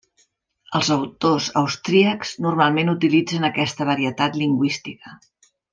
Els autors austríacs normalment utilitzen aquesta varietat lingüística.